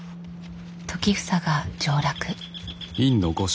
時房が上洛。